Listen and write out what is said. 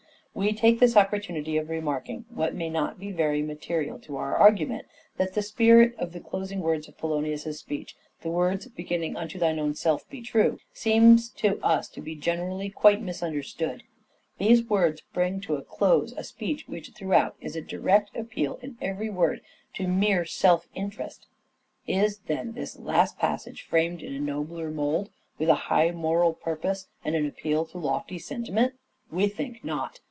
We take this opportunity of remarking, what may The ethics not be very material to our argument, that the spirit of Polonius. of the closing words of Polonius's speech, the words beginning, " Unto thine own self be true," seems to us to be generally quite misunderstood. These words bring to a close a speech which, throughout, is a direct appeal in every word to mere self interest. Is, then, this last passage framed in a nobler mould with a high moral purpose and an appeal to lofty sentiment ? We think not.